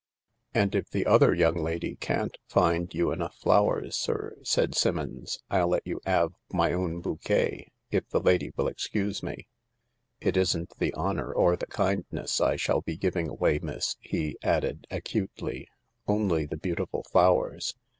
'' And if the other young lady can 't find you enough flowers, sir," said Simmons, " I'll let you 'ave my own bouquet— if the lady will excuse me. It isn't the honour or the kind" ness I shall be giving away, miss," he added acutely, " only the beautiful flowers."